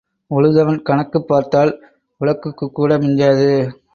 உழுதவன் கணக்குப் பார்த்தால் உழக்குக்கூட மிஞ்சாது.